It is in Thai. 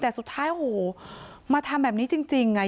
แต่สุดท้ายโหมาทำแบบนี้จริงจริงอ่ะ